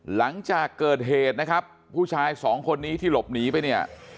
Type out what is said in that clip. หลังจากเกิดเหตุนะครับผู้ชายสองคนนี้ที่หลบหนีไปเนี่ย